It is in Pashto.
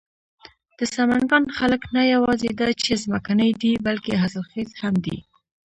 د سمنگان خلک نه یواځې دا چې ځمکني دي، بلکې حاصل خيز هم دي.